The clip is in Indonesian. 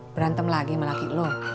berantem lagi sama laki lu